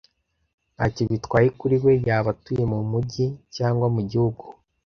Ntacyo bitwaye kuri we yaba atuye mu mujyi cyangwa mu gihugu.